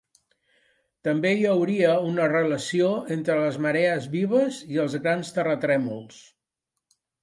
També hi hauria una relació entre les marees vives i els grans terratrèmols.